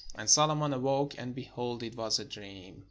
And Solomon awoke; and, behold, it was a dream.